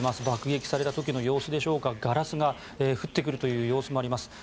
爆撃された時の様子でしょうかガラスが降ってくるという様子もあります。